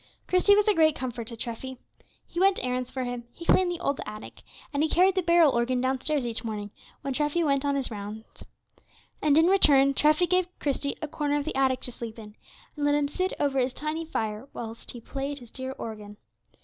Christie was a great comfort to Treffy. He went errands for him, he cleaned the old attic, and he carried the barrel organ downstairs each morning when Treffy went on his rounds. And, in return, Treffy gave Christie a corner of the attic to sleep in and let him sit over his tiny fire whilst he played his dear old organ.